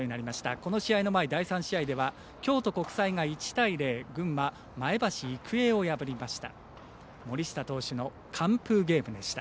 この試合の前、第３試合は京都国際が１対０群馬、前橋育英を破りました。